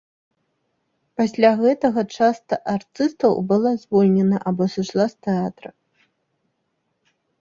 Пасля гэтага часта артыстаў была звольнена або сышла з тэатра.